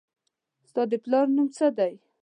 ستا د پلار نوم څه دي